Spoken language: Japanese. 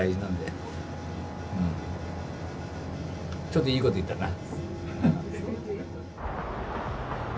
ちょっといいこと言ったな！